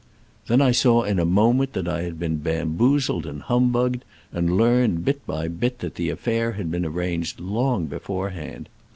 Then I saw in a moment that I had been bamboozled and humbugged, and learned, bit by bit, that the affair had been arranged long beforehand.